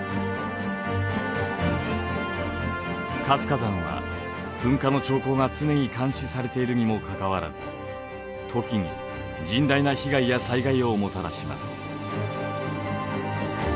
活火山は噴火の兆候が常に監視されているにもかかわらず時に甚大な被害や災害をもたらします。